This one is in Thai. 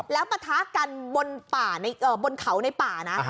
แล้วปะทะกันบนเขาในป่านะ